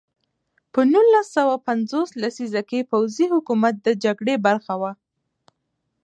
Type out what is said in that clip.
په نولس سوه پنځوس لسیزه کې پوځي حکومت د جګړې برخه وه.